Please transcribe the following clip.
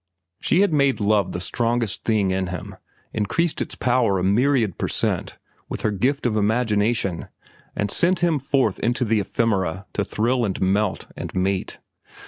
She had made love the strongest thing in him, increased its power a myriad per cent with her gift of imagination, and sent him forth into the ephemera to thrill and melt and mate.